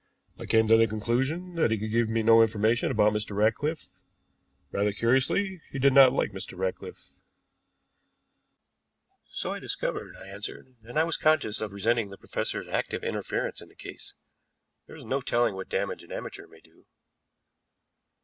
"I came to the conclusion that he could give me no information about Mr. Ratcliffe. Rather curiously, he did not like Mr. Ratcliffe." "So I discovered," I answered, and I was conscious of resenting the professor's active interference in the case. There is no telling what damage an amateur may do.